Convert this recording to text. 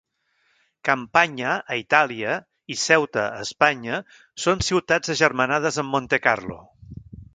Campagna, a Itàlia, i Ceuta, a Espanya, són ciutats agermanades amb Montecarlo.